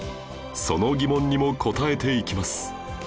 その疑問にも答えていきます